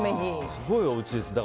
すごいおうちですね。